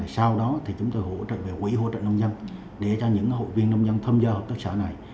sau đó thì chúng tôi hỗ trợ về quỹ hỗ trợ nông dân để cho những hội viên nông dân tham gia hợp tác xã này